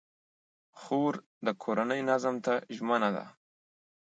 خور د کورنۍ نظم ته ژمنه ده.